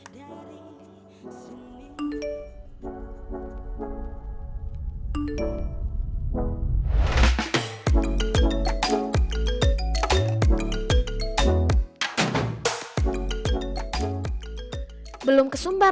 terima kasih pak